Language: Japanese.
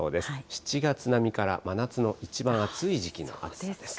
７月並みから真夏の一番暑い時期の暑さです。